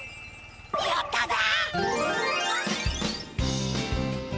やっただ！